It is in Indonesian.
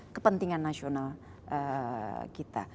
kepentingan nasional kita